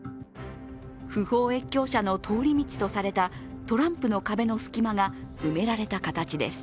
不法越境者の通り道とされたトランプの壁の隙間が埋められた形です。